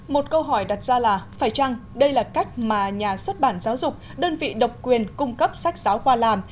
một câu hỏi đặt ra là phải chăng đây là cách mà nhà xuất bản giáo dục đơn vị độc quyền cung cấp sách giáo khoa làm